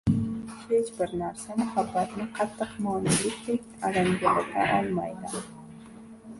Hech bir narsa muhabbatni qattiq monelikdek alangalata olmaydi.